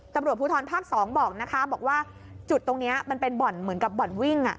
ตำรวจภูทรภาค๒บอกว่าจุดตรงนี้มันเป็นเหมือนกับบ่อนวิ่ง